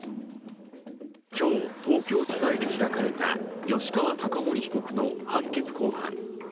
今日、東京地裁で開かれた吉川貴盛被告の判決公判。